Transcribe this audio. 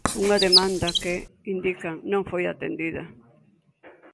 Unha demanda que, indican, non foi atendida.